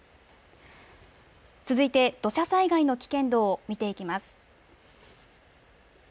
続いて、土砂災害の危険度を見ていきます。